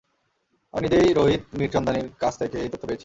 আমি নিজেই রোহিত মীরচন্দানির কাছ থেকে এই তথ্য পেয়েছি।